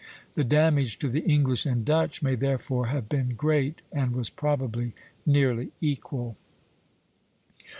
The damage to the English and Dutch may therefore have been great, and was probably nearly equal.